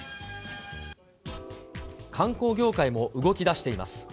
観光業界も動きだしています。